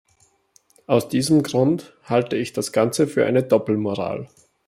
Aus diesem Grund halte ich das Ganze für eine Doppelmoral.